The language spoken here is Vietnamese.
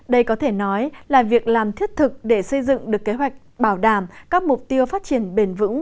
đây có thể nói là việc làm thiết thực để xây dựng được kế hoạch bảo đảm các mục tiêu phát triển bền vững